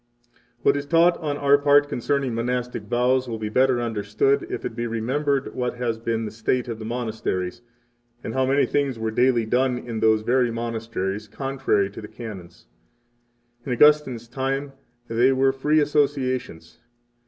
1 What is taught on our part concerning Monastic Vows, will be better understood if it be remembered what has been the state of the monasteries, and how many things were daily done in those very monasteries, contrary to the Canons. 2 In Augustine's time they were free associations.